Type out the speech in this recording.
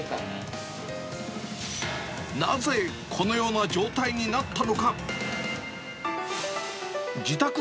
なぜこのような状態になったのか。